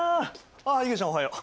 ああいげちゃんおはよう。